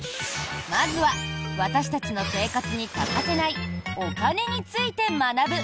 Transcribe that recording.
まずは私たちの生活に欠かせないお金について学ぶ